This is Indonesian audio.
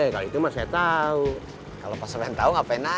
kalau pas nanya tau